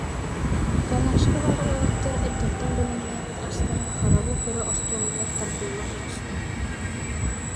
Гараажка баар уолаттар эрдэттэн бэлэмнээбит астара харабыл кыра остуолугар тардылла оҕуста